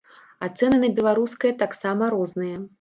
А цэны на беларускае таксама розныя.